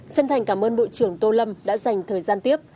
chân thành cảm ơn bộ trưởng tô lâm đã dành thời gian tiếp